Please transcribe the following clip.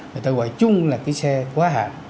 người ta gọi chung là cái xe quá hạn